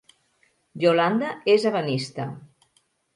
Yolanda és ebenista